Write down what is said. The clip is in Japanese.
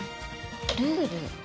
ルール。